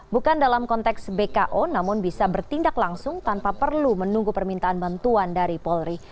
bukan dalam konteks bko namun bisa bertindak langsung tanpa perlu menunggu permintaan bantuan dari polri